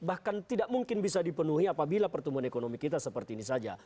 bahkan tidak mungkin bisa dipenuhi apabila pertumbuhan ekonomi kita seperti ini saja